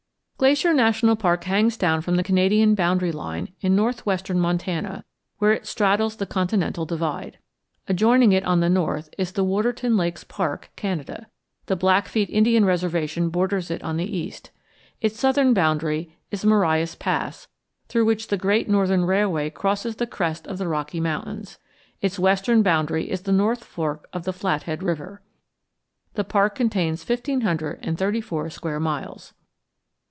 Glacier National Park hangs down from the Canadian boundary line in northwestern Montana, where it straddles the continental divide. Adjoining it on the north is the Waterton Lakes Park, Canada. The Blackfeet Indian Reservation borders it on the east. Its southern boundary is Marias Pass, through which the Great Northern Railway crosses the crest of the Rocky Mountains. Its western boundary is the North Fork of the Flathead River. The park contains fifteen hundred and thirty four square miles.